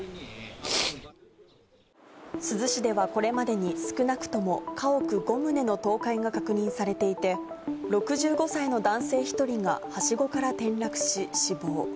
珠洲市ではこれまでに少なくとも家屋５棟の倒壊が確認されていて、６５歳の男性１人がはしごから転落し死亡。